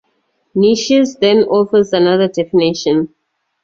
Nicias then offers another definition.